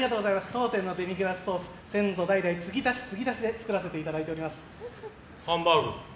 当店のデミグラスソース先祖代々、継ぎ足し継ぎ足しで作らせてもらっております。